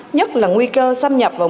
nhất là nguy cơ xâm nhập vào môn